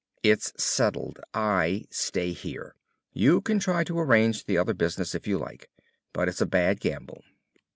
It's settled. I stay here. You can try to arrange the other business if you like. But it's a bad gamble."